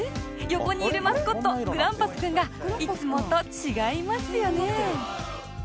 横にいるマスコットグランパスくんがいつもと違いますよね